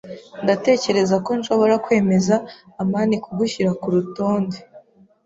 Ndatekereza ko nshobora kwemeza amani kugushyira kurutonde.